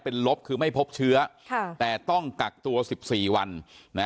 เป็นลบคือไม่พบเชื้อค่ะแต่ต้องกักตัว๑๔วันนะ